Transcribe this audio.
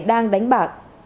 đang đánh bạc